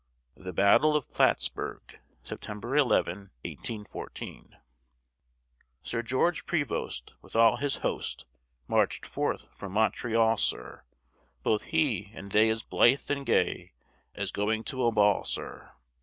THE BATTLE OF PLATTSBURG [September 11, 1814] Sir George Prevost, with all his host, March'd forth from Montreal, sir, Both he and they as blithe and gay As going to a ball, sir.